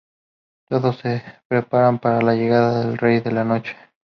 Todos se preparan para la llegada del Rey de la Noche.